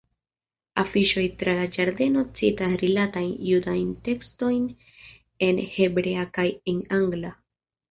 Afiŝoj tra la ĝardeno citas rilatajn judajn tekstojn en hebrea kaj en angla.